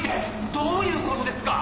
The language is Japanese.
どういうことですか？